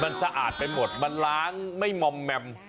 มันสะอาดไปหมดมันล้างไม่มอมแมม